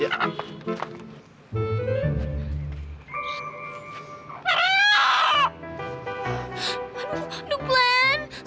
aduh glen serem banget